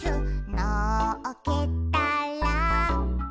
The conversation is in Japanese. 「のっけたら」